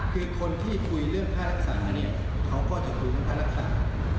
คือคนที่คุยเรื่องพลักษณ์อันนี้เขาก็จะคุยกับพลักษณ์